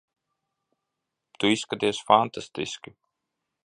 Tu izskaties fantastiski.